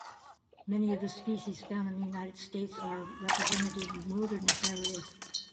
Many of the species found in the United States are represented in wilderness areas.